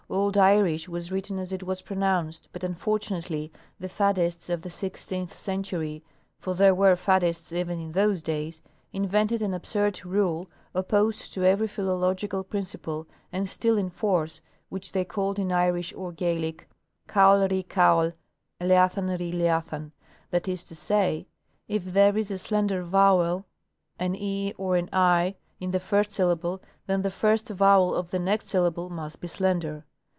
Old Irish was written as it was pronounced, but unfortunately the faddists of the sixteenth century — for there were faddists even in those days^invented an absurd rule, opposed to every philological principle, and still in force, which the^y called in Irish or Gaelic, " caol ri caol, leathan ri leatha.n ;" that is to say, if there is a slender vowel, an e or an i, in the first syllable, then the first vowel of the next syllable must be slender.